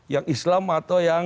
yang islam atau yang